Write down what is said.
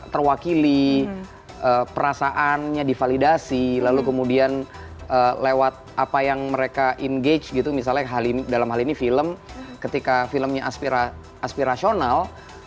terwakili perasaannya divalidasi lalu kemudian lewat apa yang mereka engage gitu misalnya dalam hal ini film ketika filmnya aspirasional